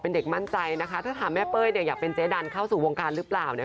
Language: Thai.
เป็นเด็กมั่นใจนะคะถ้าถามแม่เป้ยอยากเป็นเจ๊ดันเข้าสู่วงการหรือเปล่าเนี่ย